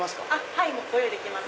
はいご用意できます。